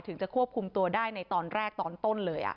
จะควบคุมตัวได้ในตอนแรกตอนต้นเลย